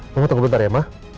mama tunggu bentar ya ma